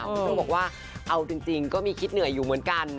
เธอบอกว่าเอาจริงก็มีคิดเหนื่อยอยู่เหมือนกัน